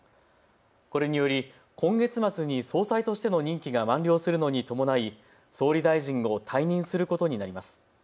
これにより今月末に総裁としての任期が満了するのに伴い総理大臣を退任することになります。